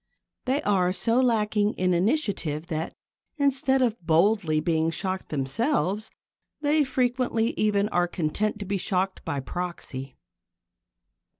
They are so lacking in initiative that, instead of boldly being shocked themselves, they frequently even are content to be shocked by proxy.